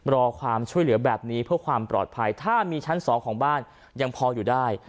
รอความช่วยเหลือแบบนี้เพื่อความปลอดภัยถ้ามีชั้น๒ของบ้านยังพออยู่ได้